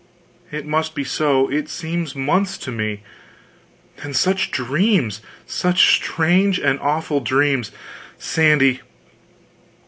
It must be so; it seems months to me. And such dreams! such strange and awful dreams, Sandy!